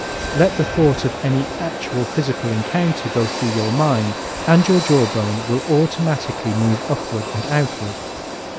Let the thought of any actual physical encounter go through your mind and your jaw bone will automatically move upward and outward.